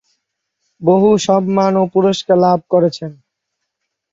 বহু সম্মান ও পুরস্কার লাভ করেছেন।